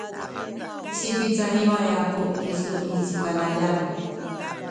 sipicaliway aku kisu i ci Panayan